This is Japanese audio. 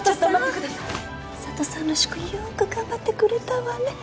佐都さんらしくよーく頑張ってくれたわね。